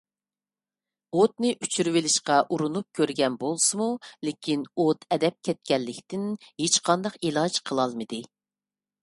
ئوتنى ئۆچۈرۈۋېلىشقا ئۇرۇنۇپ كۆرگەن بولسىمۇ، لېكىن ئوت ئەدەپ كەتكەنلىكتىن ھېچقانداق ئىلاج قىلالمىدى.